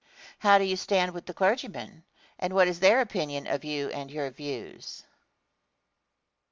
How do you stand with the clergymen, and what is their opinion of you and of your views? Answer.